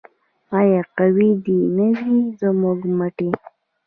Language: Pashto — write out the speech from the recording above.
آیا قوي دې نه وي زموږ مټې؟